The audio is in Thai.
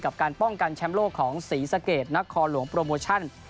การป้องกันแชมป์โลกของศรีสะเกดนักคอหลวงโปรโมชั่น